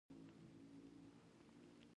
انګرېزانو هغه ته چنداني ځواب ورنه کړ.